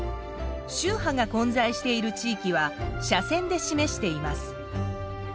宗派が混在している地域は斜線で示しています。